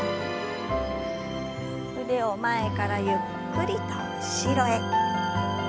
腕を前からゆっくりと後ろへ。